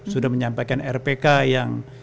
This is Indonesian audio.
sudah menyampaikan rpk yang